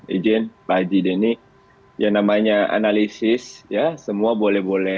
ijin pak haji deni yang namanya analisis ya semua boleh boleh